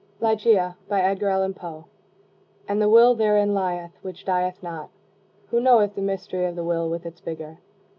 Ligeia BY EDGAR ALLAN POE And the will therein lieth, which dieth not. Who knoweth the mystery of the will, with its vigor?